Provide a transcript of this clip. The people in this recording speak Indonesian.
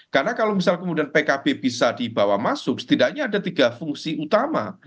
karena kalau misalnya pkb bisa dibawa masuk setidaknya ada tiga fungsi utama